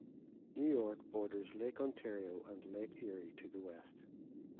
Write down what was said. New York borders Lake Ontario and Lake Erie to the west.